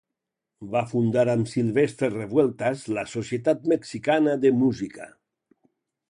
Va fundar amb Silvestre Revueltas la Societat Mexicana de Música.